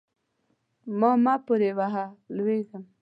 ما مه پورې وهه؛ لوېږم.